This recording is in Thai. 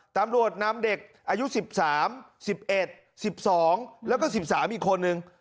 ตามรวดนำเด็กอายุสิบสามสิบเอ็ดสิบสองแล้วก็สิบสามอีกคนหนึ่ง